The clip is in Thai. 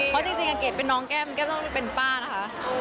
เพราะจริงเกดเป็นน้องแก้มแก้มต้องเป็นป้านะคะ